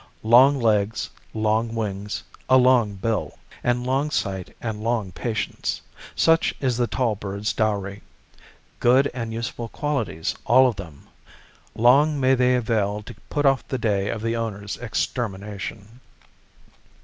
Long legs, long wings, a long bill and long sight and long patience: such is the tall bird's dowry. Good and useful qualities, all of them. Long may they avail to put off the day of their owner's extermination.